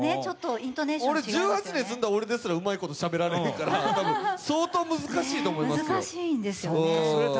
１８年住んでた俺ですらうまいことしゃべれんから、相当難しいと思いますよ。